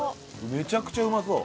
めちゃくちゃうまそう。